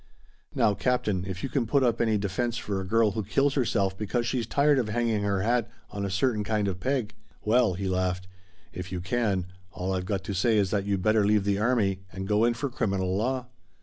Now, Captain if you can put up any defense for a girl who kills herself because she's tired of hanging her hat on a certain kind of peg! Well," he laughed, "if you can, all I've got to say is that you'd better leave the army and go in for criminal law."